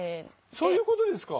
そういうことですか。